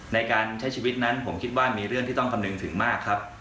ในการใช้ชีวิตนั้นผมคิดว่ามีเรื่องที่ต้องคำนึงถึงมากครับ